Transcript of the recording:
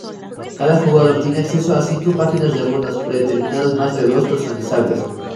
Cada jugador tiene acceso a cinco páginas de runas predeterminadas más dos personalizables.